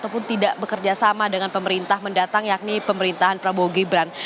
ataupun tidak bekerjasama dengan pemerintah mendatang yakni pemerintahan prabowo gebran